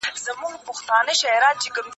د مرګ لپاره تیاری ولرئ.